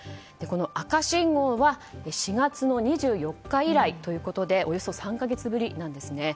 赤信号は４月２４日以来ということでおよそ３か月ぶりなんです。